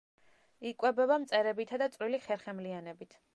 იკვებება მწერებითა და წვრილი ხერხემლიანებით.